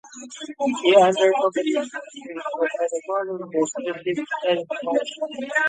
He underwent additional training over the following years and received steady promotions.